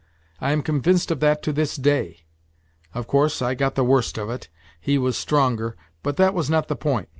I am convinced of that to this day ! Of course, I got the worst of it he was stronger, but that was not the point.